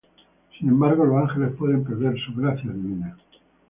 Sin embargo, los ángeles pueden perder su gracia divina.